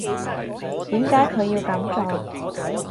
點解佢要噉做？